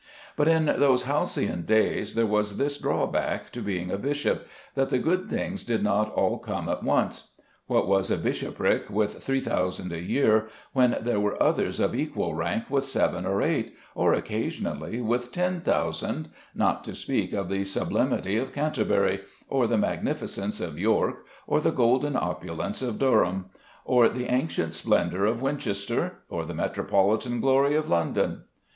But in those halcyon days, there was this drawback to being a bishop, that the good things did not all come at once. What was a bishopric with three thousand a year, when there were others of equal rank with seven, or eight, or occasionally with ten thousand, not to speak of the sublimity of Canterbury, or the magnificence of York, or the golden opulence of Durham, or the ancient splendour of Winchester, or the metropolitan glory of London?